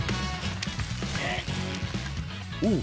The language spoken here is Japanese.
おっ。